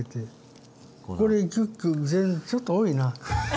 これちょっとちょっと多いな。